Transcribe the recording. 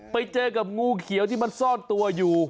ไปเจอกับงูเขียวที่มันซ่อนตัวอยู่